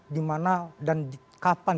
dimana dan kapan